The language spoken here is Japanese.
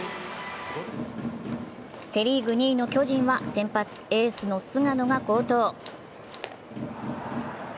セ・リーグ２位の巨人は先発エースの菅野が好投。